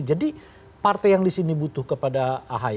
jadi partai yang di sini butuh kepada ahy